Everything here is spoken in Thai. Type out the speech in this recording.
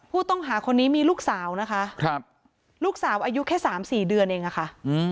ผู้ต้องหาคนนี้มีลูกสาวนะคะลูกสาวอายุแค่๓๔เดือนเองอะค่ะ